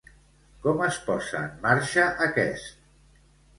Com es posa en marxa aquest?